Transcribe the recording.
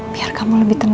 biar kamu lebih tenang